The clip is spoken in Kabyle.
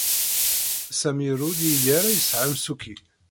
Sami ur yelli ara yesɛa amsukki.